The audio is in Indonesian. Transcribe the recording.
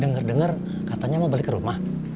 dengar dengar katanya mau balik ke rumah